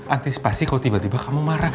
antisipasi kalau tiba tiba kamu marah